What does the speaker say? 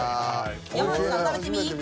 山内さん食べてみ。